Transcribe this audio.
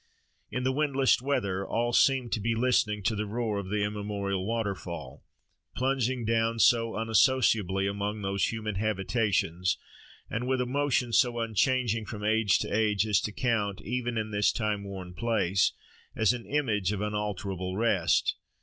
In the windless weather all seemed to be listening to the roar of the immemorial waterfall, plunging down so unassociably among these human habitations, and with a motion so unchanging from age to age as to count, even in this time worn place, as an image of unalterable rest.